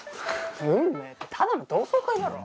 運命ってただの同窓会だろ？